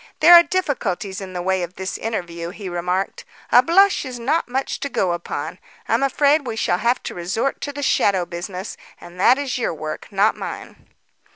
"There are difficulties in the way of this interview," he remarked. "A blush is not much to go upon. I'm afraid we shall have to resort to the shadow business and that is your work, not mine."